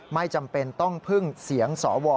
ไม่จำเป็นต้องพึ่งเสียงสว